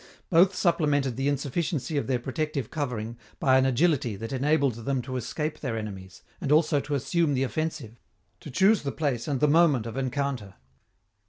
Both supplemented the insufficiency of their protective covering by an agility that enabled them to escape their enemies, and also to assume the offensive, to choose the place and the moment of encounter.